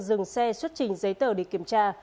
dừng xe xuất trình giấy tờ để kiểm tra